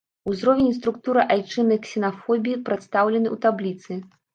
Узровень і структура айчыннай ксенафобіі прадстаўлены ў табліцы.